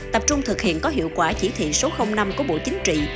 tập trung thực hiện có hiệu quả chỉ thị số năm của bộ chính trị